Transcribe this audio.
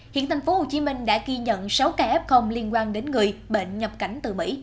hiện tp hcm đã ghi nhận sáu ca f liên quan đến người bệnh nhập cảnh từ mỹ